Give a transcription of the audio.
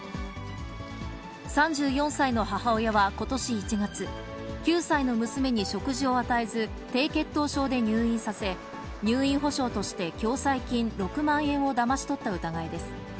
３４歳の母親はことし１月、９歳の娘に食事を与えず、低血糖症で入院させ、入院保障として共済金６万円をだまし取った疑いです。